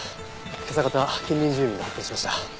今朝方近隣住民が発見しました。